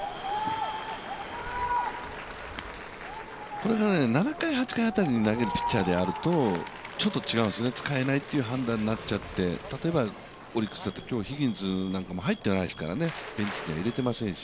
これが７回、８回辺りに投げるピッチャーであると、ちょっと違うんですね、使えないという判断になっちゃって例えばオリックスだったら今日ヒギンスはベンチには入れていませんし。